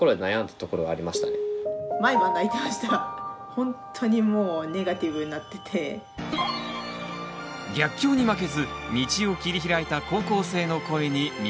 本当にもう逆境に負けず道を切り開いた高校生の声に耳を傾ける。